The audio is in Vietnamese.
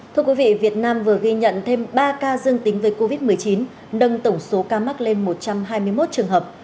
thưa quý vị việt nam vừa ghi nhận thêm ba ca dương tính với covid một mươi chín nâng tổng số ca mắc lên một trăm hai mươi một trường hợp